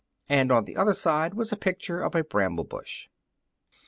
and on the other side was a picture of a bramble bush.